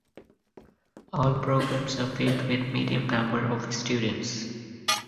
All programs are filled with medium number of students.